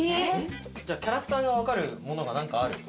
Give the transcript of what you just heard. キャラクターがわかるものが何かある？